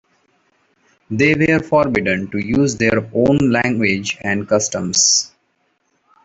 They were forbidden to use their own language and customs.